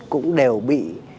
cũng đều bị ngăn cấm